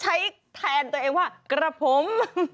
แทนตัวเองว่ากระผม